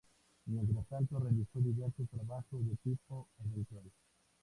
Mientras tanto, realizó diversos trabajos de tipo eventual.